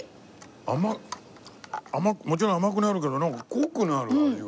甘いもちろん甘くなるけどなんか濃くなる味が。